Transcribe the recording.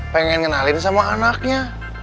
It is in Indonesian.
pengen kenalin sama anaknya